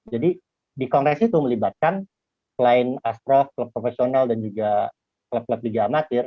jadi di kongres itu melibatkan klien astro klub profesional dan juga klub klub digamatir